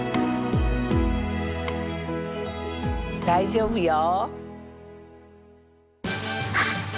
大丈夫よ。